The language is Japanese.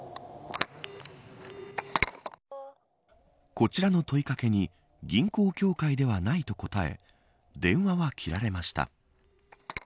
こちらの問い掛けに銀行協会ではないと答え電話は切られました。